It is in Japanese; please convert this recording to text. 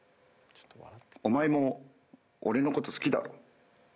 お前も俺の事好きだろ。